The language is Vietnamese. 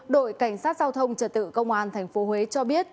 đội cảnh sát giao thông trật tự công an tp huế cho biết